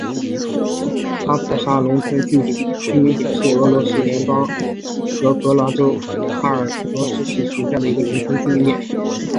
沙普沙农村居民点是俄罗斯联邦沃洛格达州哈罗夫斯克区所属的一个农村居民点。